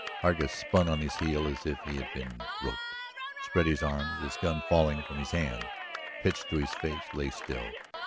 Hargus spun on his heel as if he had been roped, spread his arms, his gun falling from his hand; pitched to his face, lay still.